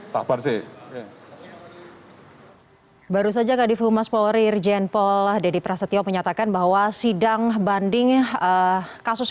tabar sih baru saja kadif umar spolri rijen polah dedy prasetyo menyatakan bahwa sidang banding kasus